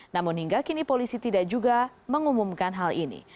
namun hingga kini polisi tidak juga mengumumkan hal ini